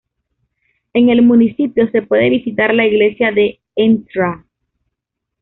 En el municipio se pueden visitar la iglesia de Ntra.